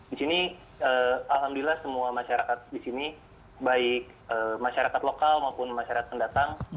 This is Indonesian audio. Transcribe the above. di sini alhamdulillah semua masyarakat di sini baik masyarakat lokal maupun masyarakat pendatang